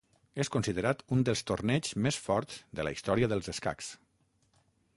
És considerat un dels torneigs més forts de la història dels escacs.